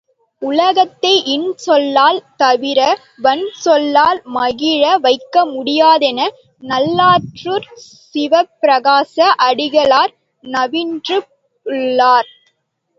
உலகத்தை இன் சொல்லால் தவிர வன் சொல்லால் மகிழ வைக்க முடியாதென நல்லாற்றூர்ச் சிவப்பிரகாச அடிகளார் நவின்றுள்ளார்.